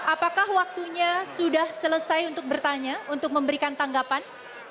apakah waktunya sudah selesai untuk bertanya untuk memberikan tanggapan